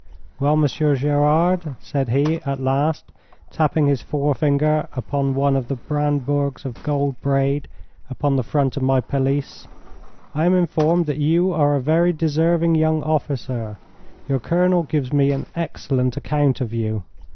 'Well, Monsieur Gerard,' said he, at last, tapping his forefinger upon one of the brandebourgs of gold braid upon the front of my pelisse, 'I am informed that you are a very deserving young officer. Your Colonel gives me an excellent account of you.'